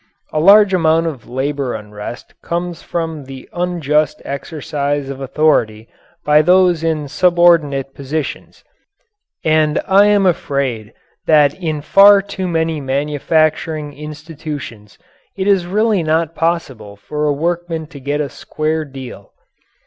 A large amount of labour unrest comes from the unjust exercise of authority by those in subordinate positions, and I am afraid that in far too many manufacturing institutions it is really not possible for a workman to get a square deal.